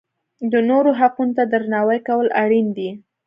د نورو حقونو ته درناوی کول اړین دي.